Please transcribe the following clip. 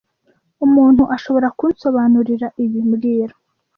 Umuntu ashobora kunsobanurira ibi mbwira